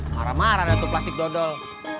marah marah neto plastik dodol